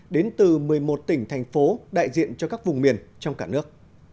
đến từ một mươi một tỉnh thành phố đại diện cho các vùng miền trong cả nước